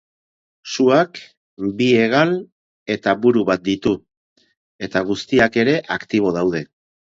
Suak bi hegal eta buru bat ditu eta guztiak ere aktibo daude.